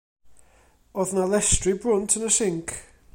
O'dd 'na lestri brwnt yn y sinc.